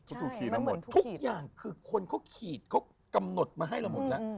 ใช่มันเหมือนทุกอย่างทุกอย่างคือคนเขาขีดเขากำหนดมาให้เราหมดแล้ว